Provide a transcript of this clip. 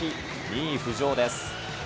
２位浮上です。